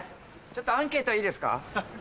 ちょっとアンケートいいですか？